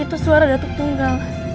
itu suara datuk tunggal